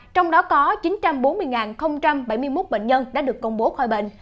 trong đó có chín trăm bốn mươi bảy mươi một bệnh nhân đã được công bố khỏi bệnh